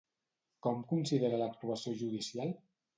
Com considera l'actuació judicial?